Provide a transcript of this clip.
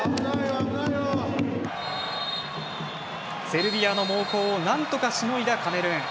セルビアの猛攻を何とか、しのいだカメルーン。